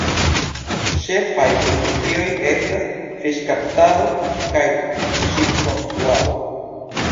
Ĉefaj industrioj estas fiŝkaptado kaj ŝipkonstruado.